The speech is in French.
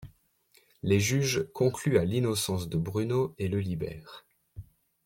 Les juges concluent à l'innocence de Bruno et le libèrent.